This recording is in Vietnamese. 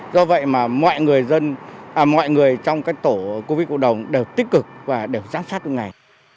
do vậy mà mọi người trong các tổ covid cộng đồng đều tích cực và đều giám sát mỗi ngày